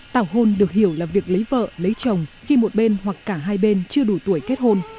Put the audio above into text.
tảo hôn được hiểu là việc lấy vợ lấy chồng khi một bên hoặc cả hai bên chưa đủ tuổi kết hôn